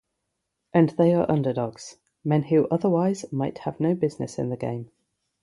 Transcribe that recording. And they are underdogs, men who otherwise might have no business in the game.